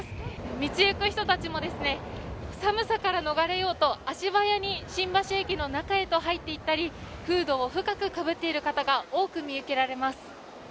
道行く人たちもですね、寒さから逃れようと足早に新橋駅の中に入って行ったり、フードを深くかぶっている方が多く見られます。